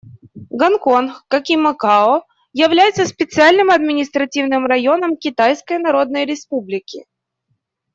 Гонконг, как и Макао, является специальным административным районом Китайской Народной Республики.